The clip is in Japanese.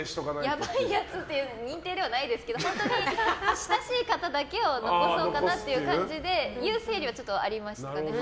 やばいやつって認定ではないですけど本当に親しい方だけを残そうかなっていう感じでの整理はありましたね。